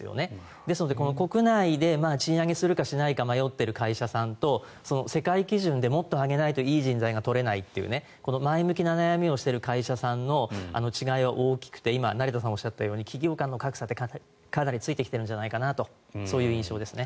ですので、国内で賃上げするかしないか迷っている会社さんと世界基準でもっと上げないといい人材が取れないという前向きな悩みをしている会社さんの違いは大きくて今、成田さんがおっしゃったように企業間の格差ってかなりついてきているんじゃないかとそういう印象ですね。